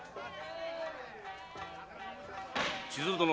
千鶴殿。